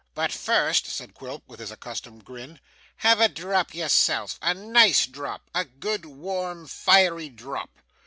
'But first,' said Quilp, with his accustomed grin, 'have a drop yourself a nice drop a good, warm, fiery drop.